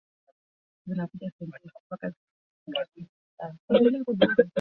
mji wa Madras Mpaka leo wako Wakristo wa Thoma kusini magharibi